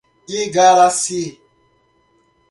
Igaracy